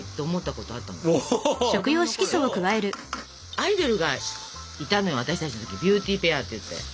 アイドルがいたのよ私たちの時ビューティ・ペアっていって。